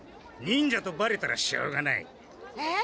忍者とバレたらしょうがない。えっ？